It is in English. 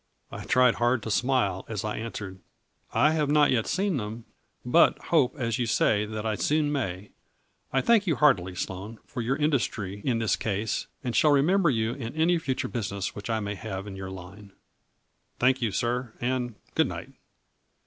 I tried hard to smile, as I answered: " I have not yet seen them, but hope as you say that I soon may. I thank you heartily, 10 1 A FLURRY IN DIAMONDS. Sloane, for your industry in this case, and shall remember you in any future business which I may have in your line.' ," Thank you, sir, and good night."